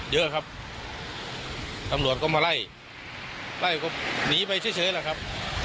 เยอะครับตำรวจก็มาไล่ไล่ก็หนีไปเฉยแหละครับ